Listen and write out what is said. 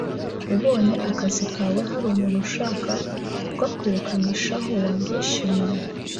Ubonye akazi kawe hari umuntu ushaka kukakwirukanishaho wabyishimira